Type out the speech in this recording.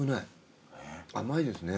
甘いですね。